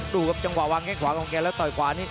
ดูครับจังหวะวางแข้งขวาของแกแล้วต่อยขวานี่